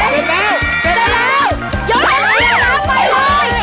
ได้แล้วได้แล้วหยุดเขาได้แล้วครับไปเลย